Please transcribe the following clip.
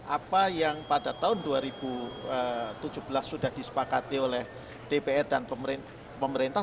apa yang pada tahun dua ribu tujuh belas sudah disepakati oleh dpr dan pemerintah